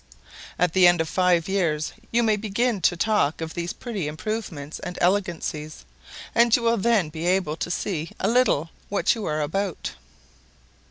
At the end of five years you may begin to talk of these pretty improvements and elegancies, and you will then be able to see a little what you are about."